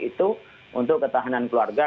itu untuk ketahanan keluarga